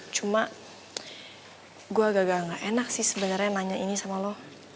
cuma gue agak gak enak sih sebenernya nanya ini sama lo